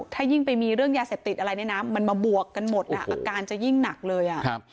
ถ้ายิ่งไปมีเรื่องยาเสพติดอะไรเนี่ยนะมันมาบวกกันหมดอ่ะอาการจะยิ่งหนักเลยอ่ะ